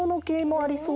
ありそう。